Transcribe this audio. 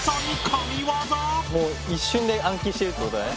もう一瞬で暗記してるってことだね。